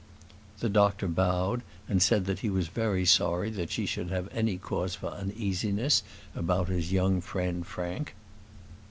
The doctor bowed, and said that he was very sorry that she should have any cause for uneasiness about his young friend Frank.